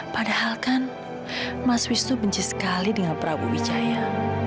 padahal kan mas wisnu benci sekali dengan prabu wijaya